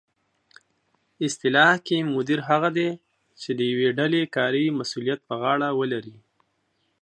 اصطلاح کې مدیر هغه دی چې د یوې ډلې کاري مسؤلیت په غاړه ولري